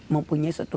mempunyai satu kekuatan